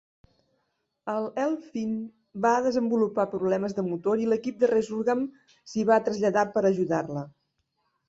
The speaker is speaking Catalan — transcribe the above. El "Elphin" va desenvolupar problemes de motor i l'equip de "Resurgam" s'hi va traslladar per ajudar-la.